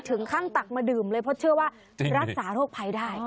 ตักมาดื่มเลยเพราะเชื่อว่ารักษาโรคภัยได้